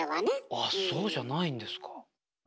あっそうじゃないんですか。